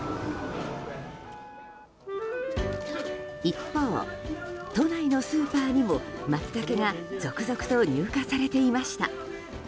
一方、都内のスーパーにもマツタケが続々と入荷されていました。